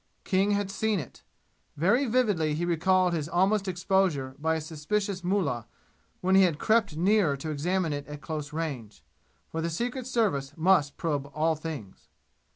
King had seen it. Very vividly he recalled his almost exposure by a suspicious mullah, when he had crept nearer to examine it at close range. For the Secret Service must probe all things.